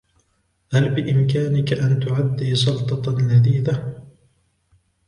هل بإمكانك أن تعدي سلطة لذيذة ؟